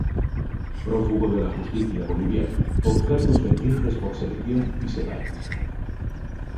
Prófugo de la justicia boliviana, con cargos pendientes por sedición y separatismo.